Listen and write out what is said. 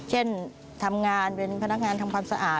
เช่นทำงานเป็นพนักงานทำความสะอาด